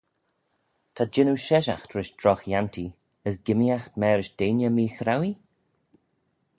Ta jannoo sheshaght rish drogh-yantee, as gimmeeaght marish deiney mee-chrauee?